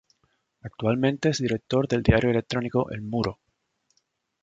Actualmente es director del diario electrónico "El Muro".